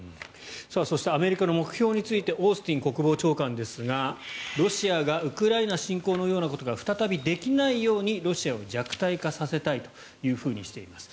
そしてアメリカの目標についてオースティン国務長官ですがロシアがウクライナ侵攻のようなことが再びできないようにロシアを弱体化させたいとしています。